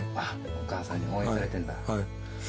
お母さんに応援されてるんだ。